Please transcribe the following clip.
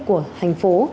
của thành phố